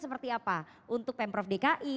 seperti apa untuk pemprov dki